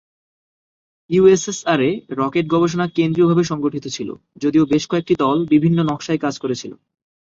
ইউএসএসআর-এ, rocket গবেষণা কেন্দ্রীয়ভাবে সংগঠিত ছিল, যদিও বেশ কয়েকটি দল বিভিন্ন নকশায় কাজ করেছিল।